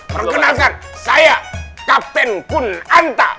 perkenalkan saya kapten pun anta